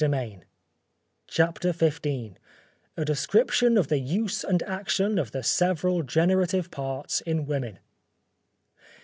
CHAPTER XV _A Description of the Use and Action of the several Generative Parts in Women.